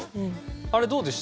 あれどうでした？